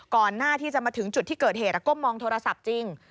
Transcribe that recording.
ก่อนหน้าที่จะมาถึงจุดที่เกิดเหตุก้มมองโทรศัพท์จริง